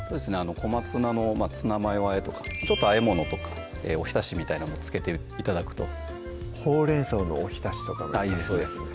小松菜のツナマヨ和えとかちょっと和え物とかお浸しみたいなもの付けて頂くとほうれんそうのお浸しとかもあっいいですね